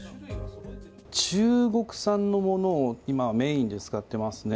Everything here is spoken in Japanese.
中国産のものを今、メインで使ってますね。